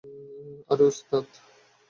আরে, ওস্তাদ!